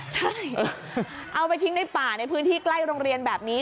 ใช่เอาไปทิ้งในป่าในพื้นที่ใกล้โรงเรียนแบบนี้